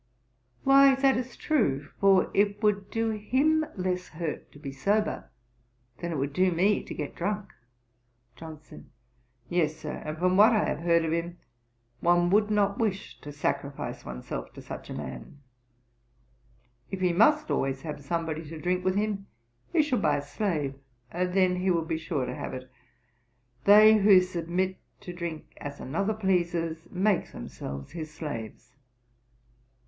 'Why that is true; for it would do him less hurt to be sober, than it would do me to get drunk.' JOHNSON. 'Yes, Sir; and from what I have heard of him, one would not wish to sacrifice himself to such a man. If he must always have somebody to drink with him, he should buy a slave, and then he would be sure to have it. They who submit to drink as another pleases, make themselves his slaves.'